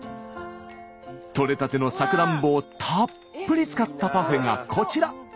取れたてのさくらんぼをたっぷり使ったパフェがこちら。